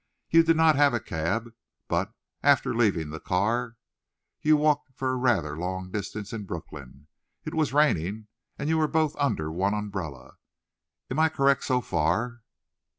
You did not have a cab, but, after leaving the car, you walked for a rather long distance in Brooklyn. It was raining, and you were both under one umbrella. Am I correct, so far?"